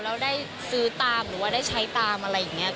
แล้วได้ซื้อตามหรือว่าได้ใช้ตามอะไรอย่างนี้